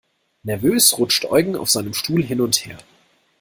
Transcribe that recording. Nervös rutscht Eugen auf seinem Stuhl hin und her.